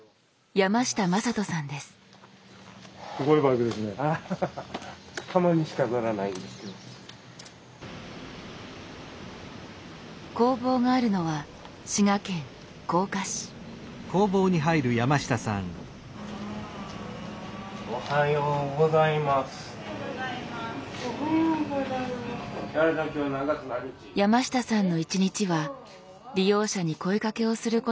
山下さんの一日は利用者に声かけをすることで始まります。